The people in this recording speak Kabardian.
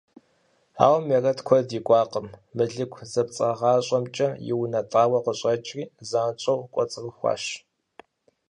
Ауэ Мерэт куэд икӀуакъым: мылыку зэпцӀагъащӀэмкӀэ иунэтӀауэ къыщӀэкӀри занщӀэу кӀуэцӀрыхуащ.